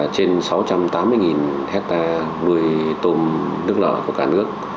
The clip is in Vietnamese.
trên sáu trăm tám mươi hectare một mươi tôm nước lợ của cả nước